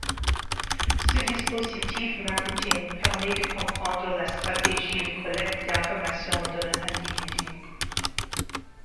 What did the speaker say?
Ce dispositif marketing permet de comprendre la stratégie de collecte d'information d'un individu.